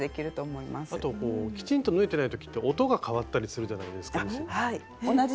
あとこうきちんと縫えてない時って音が変わったりするじゃないですかミシンって。